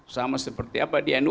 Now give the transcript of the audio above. sama seperti apa di nu